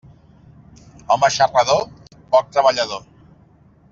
Home xarrador, poc treballador.